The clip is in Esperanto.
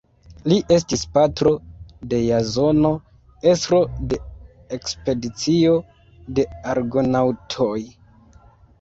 Li estis patro de Jazono, estro de ekspedicio de Argonaŭtoj.